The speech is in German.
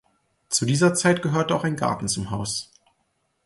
Zu dieser Zeit gehörte auch ein Garten zum Haus.